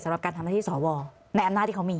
สำหรับการทำหน้าที่สวในอำนาจที่เขามี